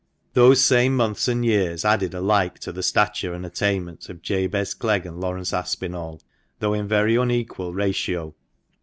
Those same months and years added alike to the stature and attainments of Jabez Clegg and Laurence Aspinall, though in very unequal ratio.